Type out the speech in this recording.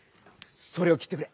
「それ」をきってくれ。